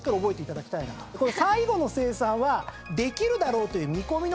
最後の成算はできるだろうという見込みのことです。